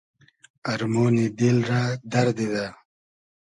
ارمۉنی دیل رۂ دئر دیدۂ